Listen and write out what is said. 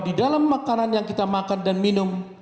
di dalam makanan yang kita makan dan minum